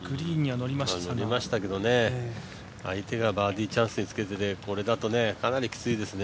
乗りましたけど、相手がバーディーチャンスにつけていてこれだとかなりきついですね。